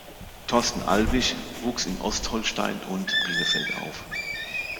Torsten Albig wuchs in Ostholstein und Bielefeld auf.